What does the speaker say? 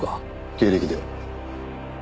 経歴では。